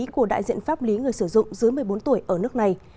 của đại diện pháp lý người sử dụng dưới một mươi bốn tuổi ở nước này